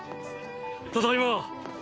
ただいま。